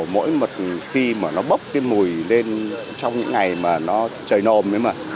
mỗi một khi mà nó bốc cái mùi lên trong những ngày mà nó trời nồm